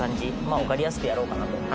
分かりやすくやろうかなと。